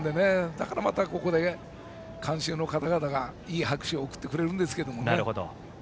だから、また観衆の方々がいい拍手を送ってくれるんですけどね。